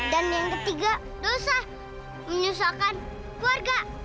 dan yang ketiga dosa menyusahkan keluarga